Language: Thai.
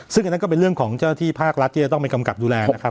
ซึ่งอันนั้นก็เป็นเรื่องของเจ้าที่ภาครัฐที่จะต้องไปกำกับดูแลนะครับ